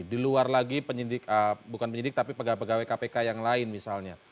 di luar lagi penyidik bukan penyidik tapi pegawai pegawai kpk yang lain misalnya